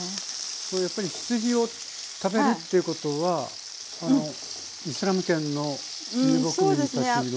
やっぱり羊を食べるっていうことはイスラム圏の遊牧民たちによる。